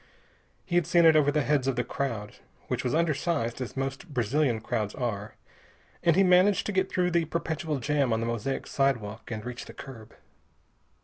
He'd seen it over the heads of the crowd, which was undersized, as most Brazilian crowds are, and he managed to get through the perpetual jam on the mosaic sidewalk and reach the curb.